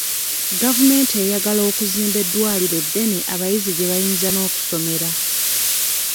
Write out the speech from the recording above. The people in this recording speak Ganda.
Gavumenti eyagala okuzimba ddwaliro ddene abayizi gye bayinza n'okusomera.